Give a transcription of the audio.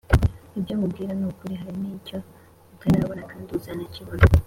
Ibyo nkubwira nukuri hari nicyo utarabona kandi uzanakibona